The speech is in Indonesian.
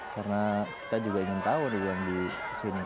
karena kita juga ingin tahu nih yang di sini